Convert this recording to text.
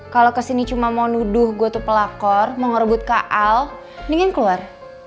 kalau kesini cuma mau nuduh gue tuh pelakor mau ngerebut kak al nih kan keluar